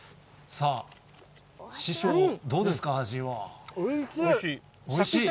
さあ、師匠、どうですか、おいしい。